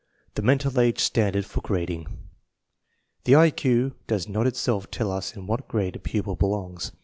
CHAPTER THE MENTAL AGE STANDARD FOR GRADING * THE I Q does not itself tell us in what grade a pupil belongs.